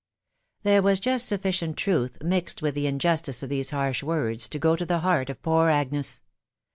There was just sufficient truth mixed with the injustice 4 these harsh words to go to the heart of poor Agnes.